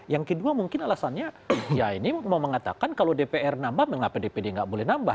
yang kedua mungkin alasannya ya ini mau mengatakan kalau dpr nambah mengapa dpd nggak boleh nambah